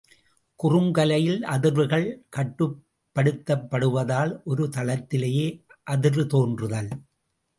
குறுக்கலையில் அதிர்வுகள் கட்டுப்படுத்தப்படுவதால் ஒரு தளத்திலேயே அதிர்வு தோன்றுதல்.